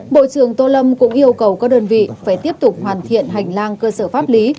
bộ trưởng tô lâm cũng yêu cầu các đơn vị phải tiếp tục hoàn thiện hành lang cơ sở pháp lý